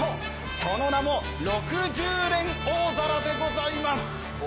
その名も６０連大皿でございます！